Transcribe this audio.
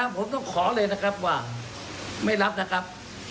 ผมต้องขอเลยนะครับว่าไม่รับนะครับ